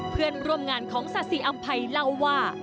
เพื่อนร่วมงานของศาสิอำภัยเล่าว่า